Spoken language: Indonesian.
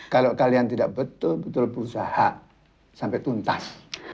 kalau kalian tidak betul betul berusaha sampai tuntas